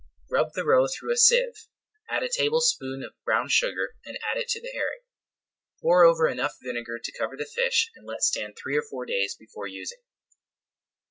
Rub the roe through a sieve, add a tablespoonful of brown sugar and add it to the herring. Pour over enough vinegar to cover the fish and let stand three or four days before using.